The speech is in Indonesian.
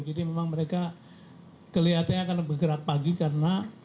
jadi memang mereka kelihatannya akan bergerak pagi karena